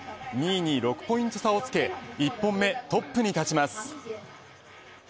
２位に６ポイント差をつけ１本目トップに立ちます。